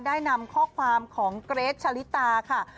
ได้นำข้อความของเกรทชะลิตาค่ะ